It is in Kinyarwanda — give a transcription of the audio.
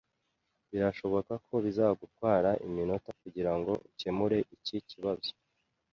Birashoboka ko bizagutwara iminota kugirango ukemure iki kibazo